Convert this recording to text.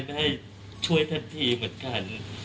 ได้ช่วยทันทีเหมือนกัน